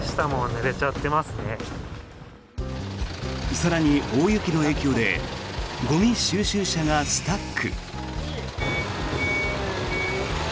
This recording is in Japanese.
更に、大雪の影響でゴミ収集車がスタック。